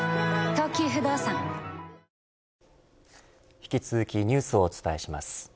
引き続きニュースをお伝えします。